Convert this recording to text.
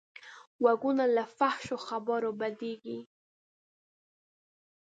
غوږونه له فحش خبرو بدېږي